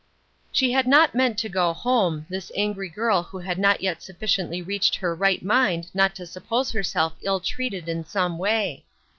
She had not meant to go home, this angry girl who had not yet sufficiently reached her right mind not to suppose herself ill treated in some way.